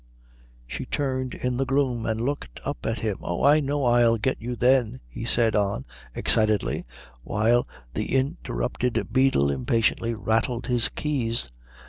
She turned in the gloom and looked up at him. "Oh, I know I'll get you then," he went on excitedly, while the interrupted beadle impatiently rattled his keys.